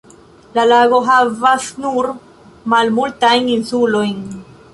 La lago havas nur malmultajn insulojn.